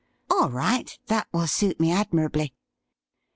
' All right ; that will suit me admirably.'